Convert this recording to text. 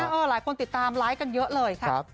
อู้วหลายคนติดตามไลฟ์กันเยอะเลยละครับ